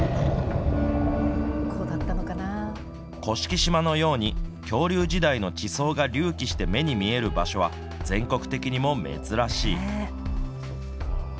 甑島のように、恐竜時代の地層が隆起して目に見える場所は、全国的にも珍しい。